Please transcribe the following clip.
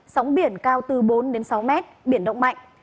sóng biển cao từ bốn sáu m biển động mạnh